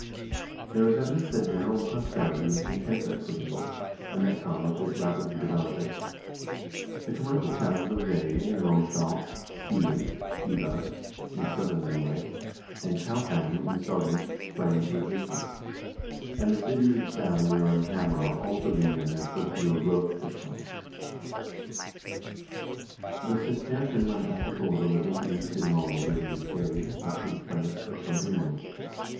There is evidence that general prosperity and contentment prevailed, and that commerce was rapidly developing. The commercial towns of Veey in Romsdal, Skien (Skidan), in southern Norway, and Kaupang in Sogn sprang into existence, and the cities of Stavanger and Hamar also began their first real growth at this time. ORGANIZATION AND GROWTH OF THE CHURCH OF NORWAY 345 The Cistercian monastic order was introduced in Norway during this period, not from France, but from England.